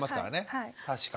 はい。